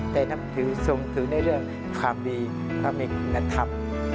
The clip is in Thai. แต่นำถือทรงถือในเรื่องความดีความมีนัฐพ